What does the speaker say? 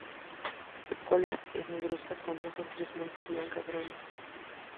Su cola es negruzca con dos o tres manchas blancas grandes.